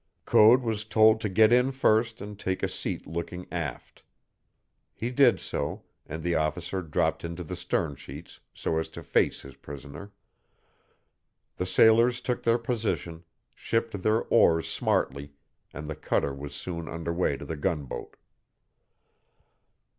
Code was told to get in first and take a seat looking aft. He did so, and the officer dropped into the stern sheets so as to face his prisoner. The sailors took their position, shipped their oars smartly, and the cutter was soon under way to the gunboat.